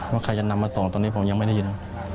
ว่าใครจะนำมาส่งตอนนี้ผมยังไม่ได้ยิน